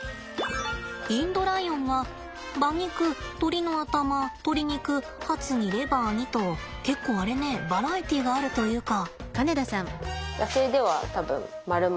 インドライオンは馬肉鶏の頭鶏肉ハツにレバーにと。結構あれねバラエティーがあるというか。